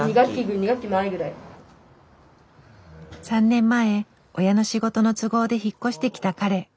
３年前親の仕事の都合で引っ越してきた彼。